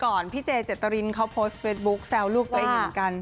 พี่เจเจตรินเขาโพสต์เฟซบุ๊คแซวลูกตัวเองเหมือนกัน